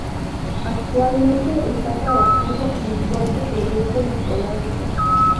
Actualmente está trabajando en el cuarto proyecto discográfico.